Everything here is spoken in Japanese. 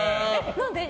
何で？